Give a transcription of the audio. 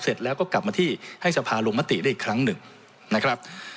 เสร็จแล้วก็กลับมาที่ให้สภาลงมติได้อีกครั้งหนึ่งนะครับ